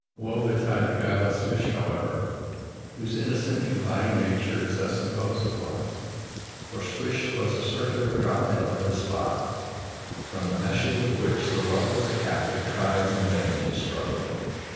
Woe betide the guileless fish, however, whose innocent, confiding nature is thus imposed upon, for "swish" goes a circular drop net over the spot, from the meshes of which the luckless captive tries in vain to struggle.